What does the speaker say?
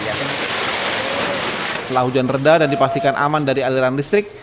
setelah hujan reda dan dipastikan aman dari aliran listrik